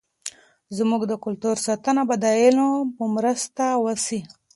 زموږ د کلتور ساتنه به د علم په مرسته وسي.